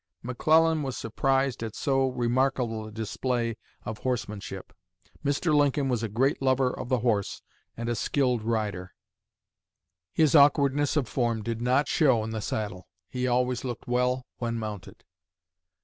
McClellan was surprised at so remarkable a display of horsemanship. Mr. Lincoln was a great lover of the horse, and a skilled rider. His awkwardness of form did not show in the saddle. He always looked well when mounted."